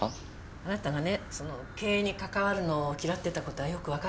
あなたがね経営に関わるのを嫌ってた事はよくわかってるわ。